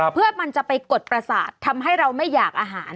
เพื่อมันจะไปกดประสาททำให้เราไม่อยากอาหาร